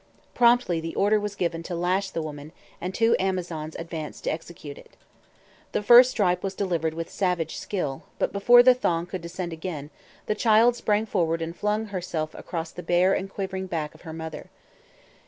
Promptly the order was given to lash the woman; and two Amazons advanced to execute it. The first stripe was delivered with savage skill; but before the thong could descend again, the child sprang forward and flung herself across the bare and quivering back of her mother.